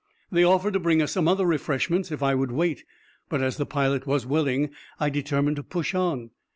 They offered to bring us some other refreshments, if I would wait; but, as the pilot was willing, I determined to push on.